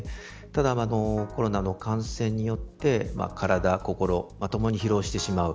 ただ、コロナの感染によって体や心、ともに疲労してしまう。